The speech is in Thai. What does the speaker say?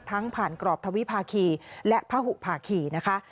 ทั้งผ่านกรอบทวิภาคีและภาหุภาคีนะคะ